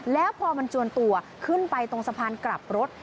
แล้วพอมันจวนตัวขึ้นไปตรงสะพานกลับรถ